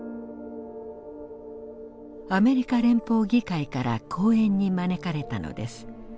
アメリカ連邦議会から講演に招かれたのです。